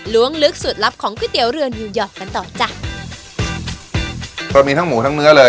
ล้วงลึกสูตรลัพย์ของก๋วยเตี๋ยวเรือนอยู่ยอดกันต่อจ่ะเรามีทั้งหมูทั้งเนื้อเลย